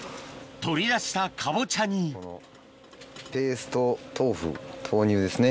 取り出したかぼちゃにで。